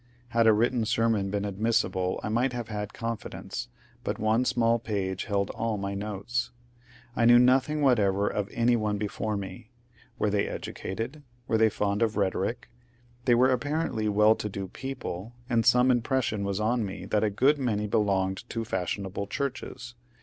Had a written sermon been admissible I might have had confidence, but one small page held all my notes. I knew nothing whatever of any one before me. Were they educated ? Were they fond of rhetoric ? They were apparently well to do people, and some impression was on me that a good many belonged to fashionable churches.